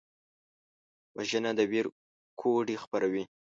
وژنه د ویر کوډې خپروي